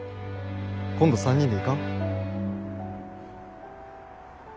今度３人で行かん？